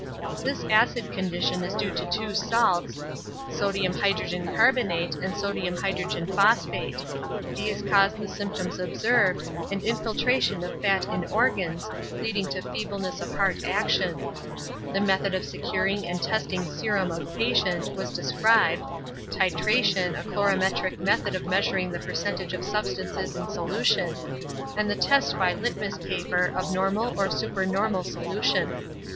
This acid condition is due to two salts, sodium hydrogen carbonate and sodium hydrogen phosphate; these cause the symptoms observed and infiltration of fat in organs, leading to feebleness of heart action. The method of securing and testing serum of patient was described (titration, a colorimetric method of measuring the percentage of substances in solution), and the test by litmus paper of normal or super normal solution.